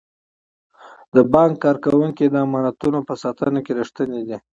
د بانک کارکوونکي د امانتونو په ساتنه کې ریښتیني دي.